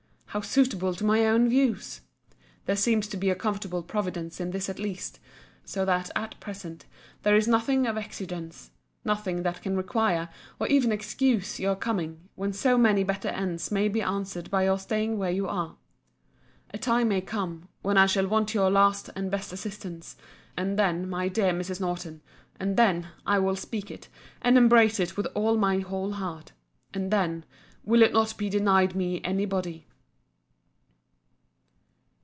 —How suitable to my own views!—There seems to be a comfortable providence in this at least—so that at present there is nothing of exigence; nothing that can require, or even excuse, your coming, when so many better ends may be answered by your staying where you are. A time may come, when I shall want your last and best assistance: and then, my dear Mrs. Norton—and then, I will speak it, and embrace it with all my whole heart—and then, will it not be denied me by any body.